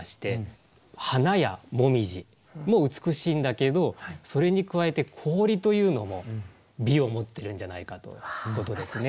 花や紅葉も美しいんだけどそれに加えて氷というのも美を持ってるんじゃないかということですね。